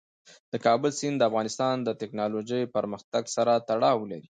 د کابل سیند د افغانستان د تکنالوژۍ پرمختګ سره تړاو لري.